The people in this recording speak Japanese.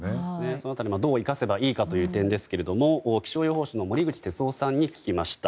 その辺りどう生かせばいいかという点ですが気象予報士の森口哲夫さんに聞きました。